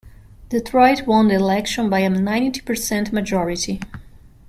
Detroit won the election by a ninety percent majority.